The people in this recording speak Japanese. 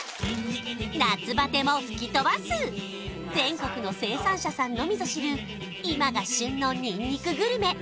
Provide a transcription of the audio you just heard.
夏バテも吹き飛ばす全国の生産者さんのみぞ知る今が旬のにんにくグルメ